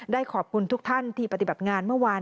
ขอบคุณทุกท่านที่ปฏิบัติงานเมื่อวาน